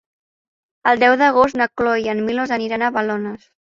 El deu d'agost na Cloè i en Milos aniran a Balones.